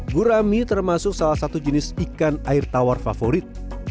gurami termasuk salah satu jenis ikan air tawar favorit